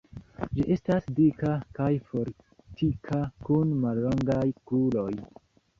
Ĝi estas dika kaj fortika kun mallongaj kruroj.